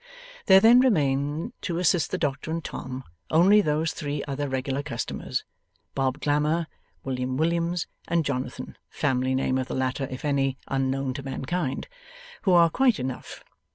There then remain, to assist the doctor and Tom, only those three other regular customers, Bob Glamour, William Williams, and Jonathan (family name of the latter, if any, unknown to man kind), who are quite enough.